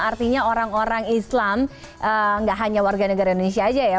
artinya orang orang islam nggak hanya warga negara indonesia aja ya